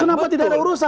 kenapa tidak ada urusan